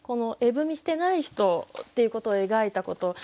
絵踏してない人っていうことを描いたこと。